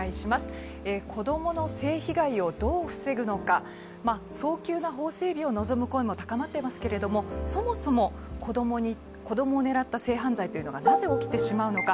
子供の性被害をどう防ぐのか、早急な法整備を望む声も高まっていますけれどもそもそも子供を狙った性犯罪がなぜ起きてしまうのか。